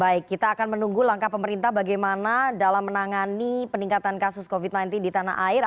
baik kita akan menunggu langkah pemerintah bagaimana dalam menangani peningkatan kasus covid sembilan belas di tanah air